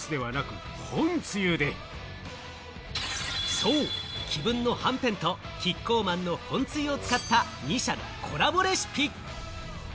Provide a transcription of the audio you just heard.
そう、紀文のはんぺんとキッコーマンの本つゆを使った２社のコラボレシピ。